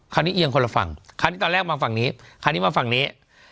คราวนี้เอียงคนละฝั่งคราวนี้ตอนแรกมาฝั่งนี้คราวนี้มาฝั่งนี้